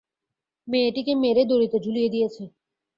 মেয়েটিকে মেরে দড়িতে ঝুলিয়ে দিয়েছে।